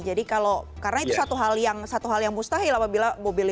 jadi kalau karena itu satu hal yang mustahil apabila mobilnya